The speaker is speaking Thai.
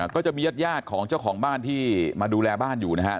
ก็จะมีญาติยาดของเจ้าของบ้านที่มาดูแลบ้านอยู่นะครับ